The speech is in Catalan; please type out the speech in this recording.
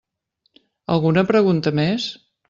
Alguna pregunta més?